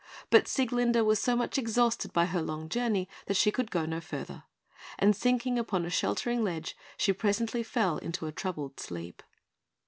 But Sieglinde was so much exhausted by her long journey that she could go no farther; and sinking upon a sheltering ledge, she presently fell into a troubled sleep.